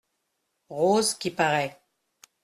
Rose qui paraît.